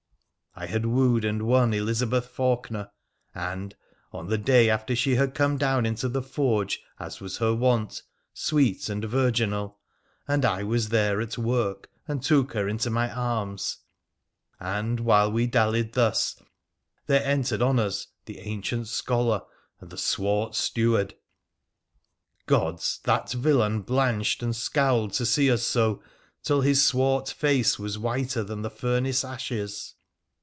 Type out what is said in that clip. I had wooed and won Elizabeth Faulkener, and, on the day after she had come down into the forge, as was her wont, sweet and virginal ; and I was there at work, and took her into my arms ; and, while we dallied thus, there entered on up the ancient scholar and the swart steward. Gods ! that vdlain blanched and scowled to see us so till his swart face was whiter than the furnace ashes